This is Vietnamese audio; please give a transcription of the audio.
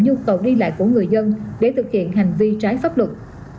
nhu cầu đi lại của người dân để thực hiện hành vi trái pháp luật